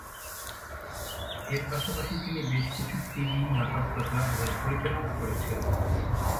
এর পাশাপাশি তিনি বেশ কিছু টিভি নাটক রচনা এবং পরিচালনা করেছেন।